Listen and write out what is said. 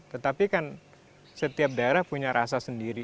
tetapi kan setiap daerah punya rasa sendiri